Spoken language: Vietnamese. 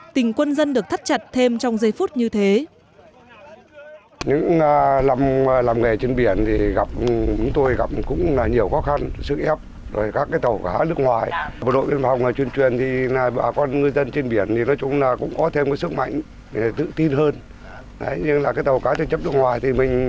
tình quân dân được thắt chặt thêm trong giây phút